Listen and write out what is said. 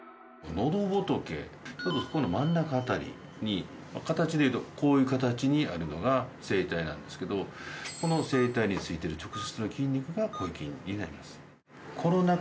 喉仏ちょうどそこの真ん中辺りに形でいうとこういう形にあるのが声帯なんですけどこの声帯についてる直接の筋肉が声筋になります。